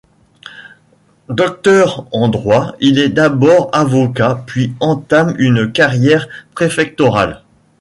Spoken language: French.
Docteur en droit, il est d'abord avocat puis entame une carrière préfectorale.